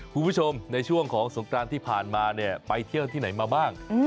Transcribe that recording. คุณผู้ชมในช่วงของสงกรานที่ผ่านมาเนี่ยไปเที่ยวที่ไหนมาบ้าง